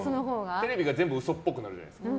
テレビが全部嘘っぽくなるじゃないですか。